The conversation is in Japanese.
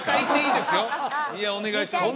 いやお願いします